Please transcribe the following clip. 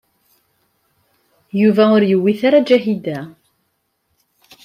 Yuba ur yewwit ara Ǧahida.